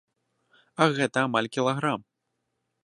А гэта амаль кілаграм!